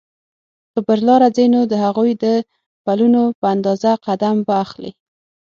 که پر لاره ځې نو د هغوی د پلونو په اندازه قدم به اخلې.